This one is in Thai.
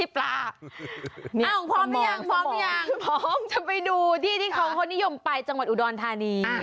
พี่ปลาพร้อมหรือยังพร้อมจะไปดูที่ที่เขาคนนิยมไปจังหวัดอุดรธานี